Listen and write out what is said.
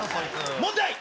問題。